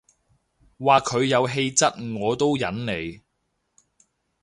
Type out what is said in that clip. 話佢有氣質我都忍你